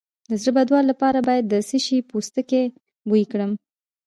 د زړه بدوالي لپاره باید د څه شي پوستکی بوی کړم؟